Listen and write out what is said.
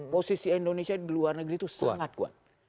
posisi indonesia di luar negeri itu sangat kuat